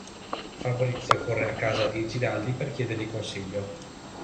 Fabrizio corre a casa di Giraldi per chiedergli consiglio.